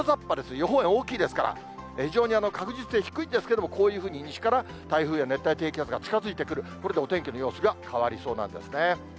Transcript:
予報円大きいですから、非常に確実性は低いんですけれども、こういうふうに西から台風や熱帯低気圧が近づいてくる、これでお天気の様子が変わりそうなんですね。